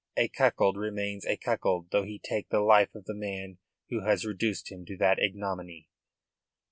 A cuckold remains a cuckold though he take the life of the man who has reduced him to that ignominy.